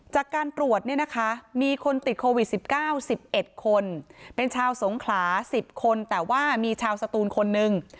จากการตรวจเนี่ยนะคะมีคนติดโควิด๑๙๑๑คนเป็นชาวสงขลา๑๐คนแต่ว่ามีชาวสตูนคนนึง